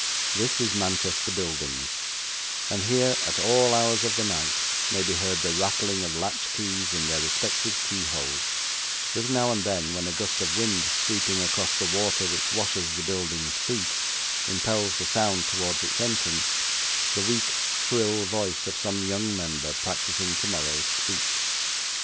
This is Manchester Buildings; and here, at all hours of the night, may be heard the rattling of latch keys in their respective keyholes: with now and then when a gust of wind sweeping across the water which washes the Buildings' feet, impels the sound towards its entrance the weak, shrill voice of some young member practising tomorrow's speech.